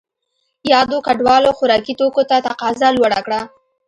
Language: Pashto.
یادو کډوالو خوراکي توکو ته تقاضا لوړه کړه.